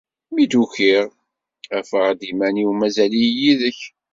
Mi d-ukiɣ, afeɣ-d iman-iw mazal-iyi yid-k.